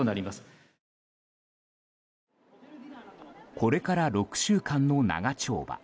これから６週間の長丁場。